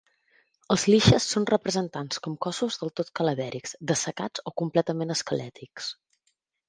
Els "liches" són representats com cossos del tot cadavèrics, dessecats o completament esquelètics.